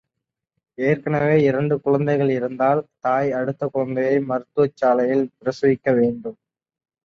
ஏற்கனவே இரண்டு குழந்தைகள் இருந்தால் தாய் அடுத்த குழந்தையை மருத்துவச் சாலையில் பிரசவிக்க வேண்டும்.